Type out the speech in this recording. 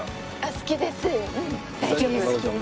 好きです。